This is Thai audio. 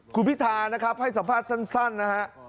คุณพิธานะครับให้สัมภาษณ์สั้นนะฮะ